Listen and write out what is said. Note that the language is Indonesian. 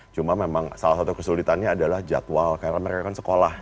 cuma memang salah satu kesulitannya adalah jadwal karena mereka kan sekolah